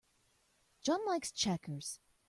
John likes checkers.